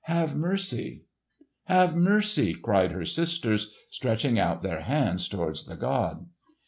Have mercy!" "Have mercy!" cried her sisters stretching out their hands toward the god.